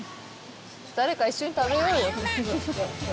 誰か一緒に食べようよ。